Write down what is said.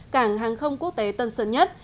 cảng hàng không quốc tế tân sơn nhất